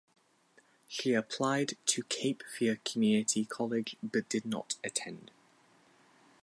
She applied to Cape Fear Community College but did not attend.